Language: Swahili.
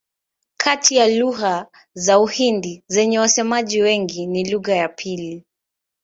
Kati ya lugha za Uhindi zenye wasemaji wengi ni lugha ya pili.